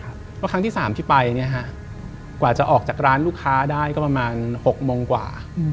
เพราะครั้งที่๓ที่ไปกว่าจะออกจากร้านลูกค้าได้ก็ประมาณ๖โมงกว่า